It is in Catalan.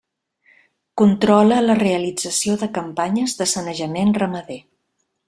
Controla la realització de campanyes de sanejament ramader.